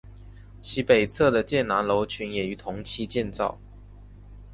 其北侧的建南楼群也于同期建造。